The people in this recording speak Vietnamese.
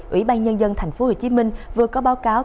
ủy ban nhân dân tp hcm vừa có báo cáo